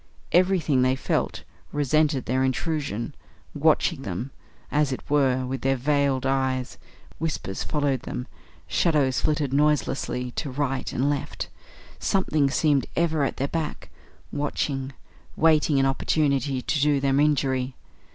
Everything, they felt, resented their intrusion, watching them, as it were, with veiled eyes; whispers followed them; shadows flitted noiselessly to right and left; something seemed ever at their back, watching, waiting an opportunity to do them injury.